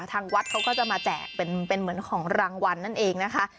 ทางวัดเขาก็จะมาแจกเป็นเหมือนของรางวัลนั่นเองนะคะ